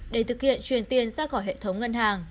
để thực hiện truyền tiền ra khỏi hệ thống ngân hàng